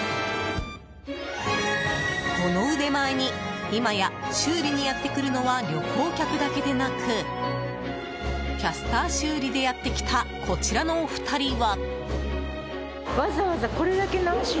この腕前に今や、修理にやってくるのは旅行客だけでなくキャスター修理でやってきたこちらのお二人は。